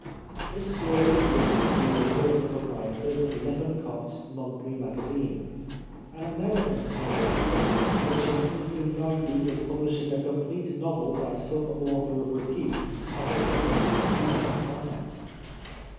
This story was written to the order of the proprietors of Lippincotf s Monthly Magazine, an American periodical which in 1890 was publishing a complete novel by some author of repute as a supplement to the other contents.